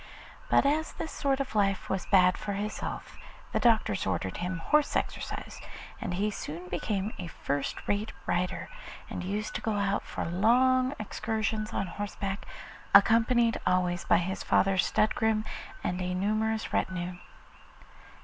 But as this sort of life was bad for his health, the doctors ordered him horse exercise, and he soon became a first rate rider, and used to go out for long excursions on horseback, accompanied always by his father's stud groom and a numerous retinue.